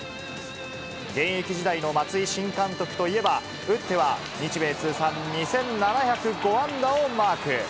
現役時代の松井新監督といえば、打っては日米通算２７０５安打をマーク。